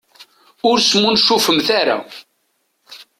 Ur smuncufemt ara.